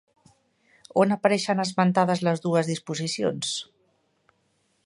On apareixen esmentades les dues disposicions?